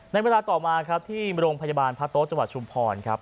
ในเวลาต่อมาครับที่โรงพยาบาลพระโต๊ะจังหวัดชุมพรครับ